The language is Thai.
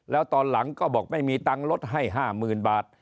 แล้วตอนหลังก็บอกไม่มีตังค์ลดให้๕๐๐๐บาท